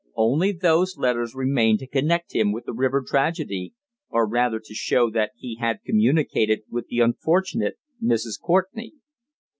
Only those letters remained to connect him with the river tragedy; or rather to show that he had communicated with the unfortunate Mrs. Courtenay.